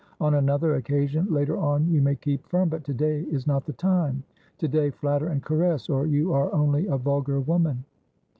On another occasion, later on, you may keep firm, but to day is not the time; to day flatter and caress, or you are only a vulgar woman."